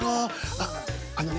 あっあのね